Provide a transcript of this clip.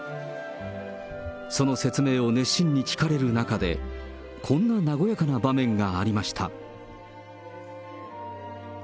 その説明を熱心に聞かれる中で、こんな和やかな場面がありました。